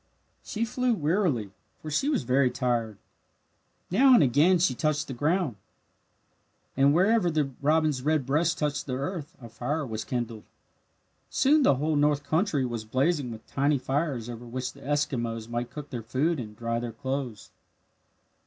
She flew wearily, for she was very tired. Now and again she touched the ground. And wherever the robin's red breast touched the earth a fire was kindled. Soon the whole north country was blazing with tiny fires over which the Eskimos might cook their food and dry their clothes.